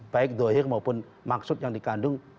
baik dohir maupun maksud yang dikandung